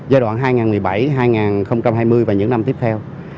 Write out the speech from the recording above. giai đoạn hai nghìn một mươi bảy hai nghìn hai mươi và những năm tiếp theo